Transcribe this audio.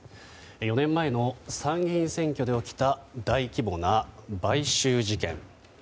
４年前の参議院選挙で起きた大規模な買収事件。